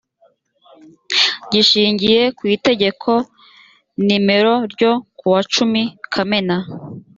gishingiye ku itegeko nimero ryo ku wa cumi kamena